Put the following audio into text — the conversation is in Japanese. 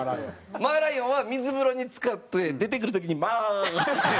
マーライオンは水風呂につかって出てくる時に「マー」って。